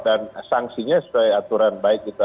sanksinya sesuai aturan baik itu